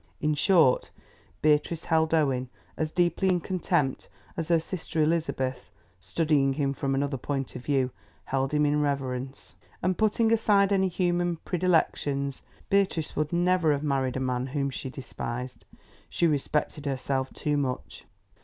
In short, Beatrice held Owen as deeply in contempt as her sister Elizabeth, studying him from another point of view, held him in reverence. And putting aside any human predilections, Beatrice would never have married a man whom she despised. She respected herself too much.